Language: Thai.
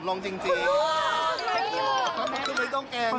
ตรงนี้เกิดเครื่องความทรมานไว้เป็นใครค่ะ